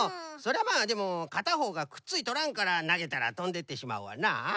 そりゃまあでもかたほうがくっついとらんからなげたらとんでってしまうわな。